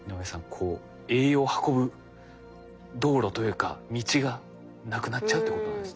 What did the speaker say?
こう栄養を運ぶ道路というか道が無くなっちゃうってことなんですね。